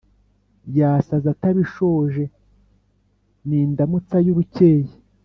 Yasaza atabishoje, Ni indamutsa y'urukeye